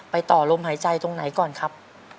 ต่อลมหายใจตรงไหนก่อนครับ